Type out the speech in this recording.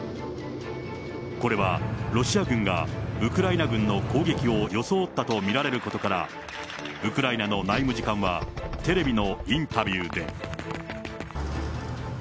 これはロシア軍がウクライナ軍の攻撃を装ったと見られることから、ウクライナの内務次官は、テレビのインタビューで。